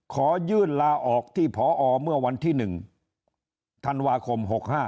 ขอยื่นลาออกที่พอเมื่อวันที่๑ธันวาคม๖๕